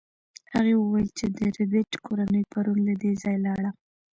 هغې وویل چې د ربیټ کورنۍ پرون له دې ځایه لاړه